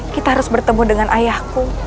kita harus bertemu dengan ayahku